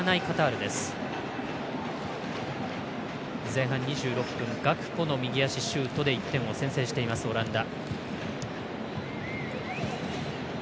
前半２６分ガクポの右足シュートで１点を先制しています、オランダ。